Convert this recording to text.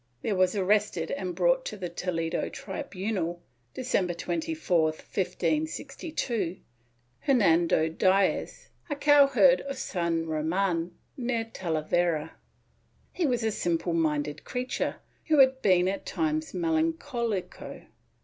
There was arrested and brought to the Toledo tribunal, December 24, 1562, Hernando Diaz, a cowherd of San Roman, near Talavera. He was a simple minded creature, who had been at times melancoUco.